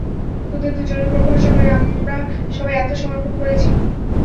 তোদের দুজনের উপর ভরসা করে আমরা সবাই আত্মসমর্পণ করেছি।